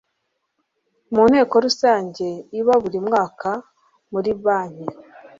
mu nteko rusange iba buri mwaka muri banki